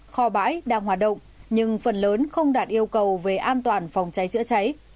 kho bãi đang hoạt động nhưng phần lớn không đạt yêu cầu về an toàn phòng cháy chữa cháy